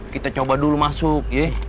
kita coba dulu masuk ya